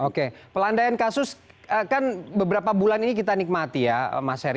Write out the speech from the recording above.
oke pelandaian kasus kan beberapa bulan ini kita nikmati ya mas heri